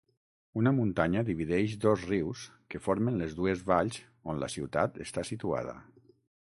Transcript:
Una muntanya divideix dos rius que formen les dues valls on la ciutat està situada.